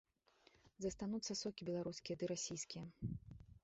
Застануцца сокі беларускія ды расійскія.